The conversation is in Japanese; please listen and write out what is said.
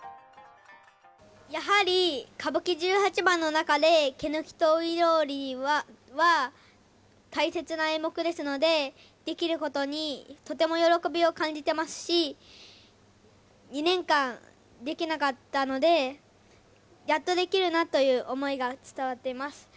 やはり歌舞伎十八番の中で、毛抜と外郎売は大切な演目ですので、できることにとても喜びを感じてますし、２年間、できなかったので、やっとできるなという思いが伝わっています。